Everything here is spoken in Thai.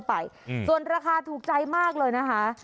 ไปส่วนราคาถูกใจมากเลยนะคะ